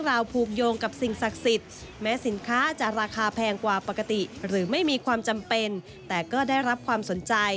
อยากเข้ามาเพราะเข้ามาเห็นบรรยากาศ